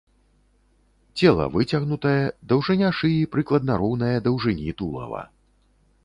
Цела выцягнутае, даўжыня шыі прыкладна роўная даўжыні тулава.